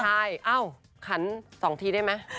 ใช่อ้าวขันสองทีได้ไหม